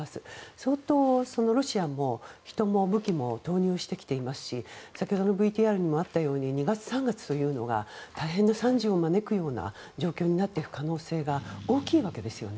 相当、ロシアも人も武器も投入してきてますし先ほどのＶＴＲにもあったように２月３月というのが大変な惨事を招く状況になっていく可能性が大きいわけですね。